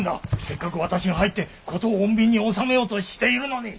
せっかく私が入って事を穏便に収めようとしているのに！